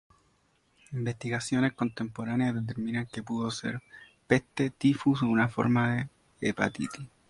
Investigaciones contemporáneas determinan que pudo ser peste, tifus o una forma de hepatitis.